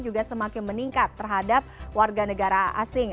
juga semakin meningkat terhadap warga negara asing